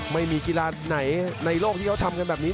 ไม่มีกีฬาไหนในโลกที่เขาทำกันแบบนี้